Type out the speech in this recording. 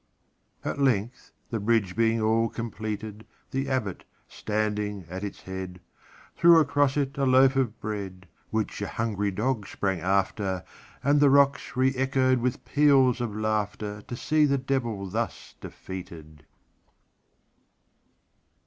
At length, the bridge being all completed, The Abbot, standing at its head, Threw across it a loaf of bread, Which a hungry dog sprang after, And the rocks reëchoed with peals of laughterTo see the Devil thus defeated!